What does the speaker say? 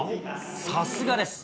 さすがです。